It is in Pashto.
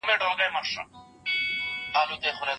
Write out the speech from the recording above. زه په دې اړه هیڅ معلومات نه لرم.